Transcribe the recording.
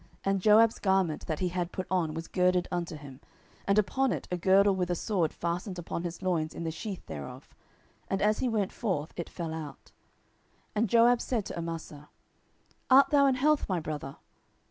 And Joab's garment that he had put on was girded unto him, and upon it a girdle with a sword fastened upon his loins in the sheath thereof; and as he went forth it fell out. 10:020:009 And Joab said to Amasa, Art thou in health, my brother?